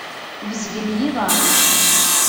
Bezgen yiḍan.